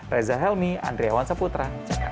reza helmi andriawan saputra